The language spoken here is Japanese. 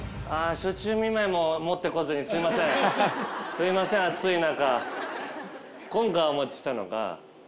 すいません暑い中。